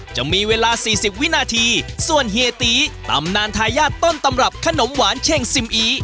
จะมีเวลาสี่สิบวินาทีส่วนเฮียตีตำนานทายาทต้นตำรับขนมหวานเช่งซิมอี